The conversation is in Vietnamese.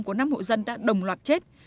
của năm hộ dân đã đồng loạt chết